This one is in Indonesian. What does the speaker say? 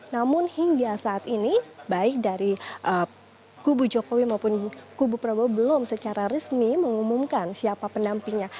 namun hingga saat ini baik dari kubu jokowi maupun kubu prabowo belum secara resmi mengumumkan siapa pendampingnya